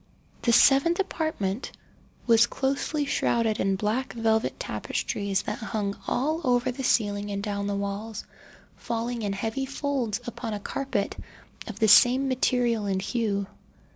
The seventh apartment was closely shrouded in black velvet tapestries that hung all over the ceiling and down the walls, falling in heavy folds upon a carpet of the same material and hue.